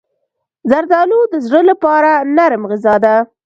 زردالو د زړه لپاره نرم غذا ده.